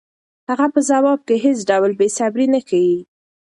هغه په ځواب کې هېڅ ډول بېصبري نه ښيي.